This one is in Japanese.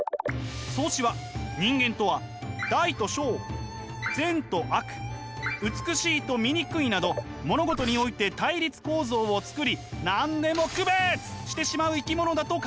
荘子は人間とは大と小善と悪美しいと醜いなど物事において対立構造を作り何でも区別してしまう生き物だと考えました。